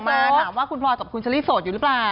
อ่าเขาส่งมาถามว่าคุณพรจบคุณเชลลี่โสดอยู่หรือเปล่า